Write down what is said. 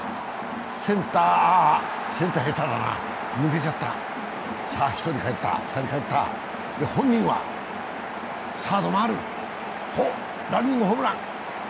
センター下手だな、抜けちゃった、さぁ、１人、帰った、２人帰った、本人はサード回る、ランニングホームラン？